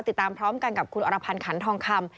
ติดตามพร้อมกันกับคุณอรพันธ์ขันทองคำ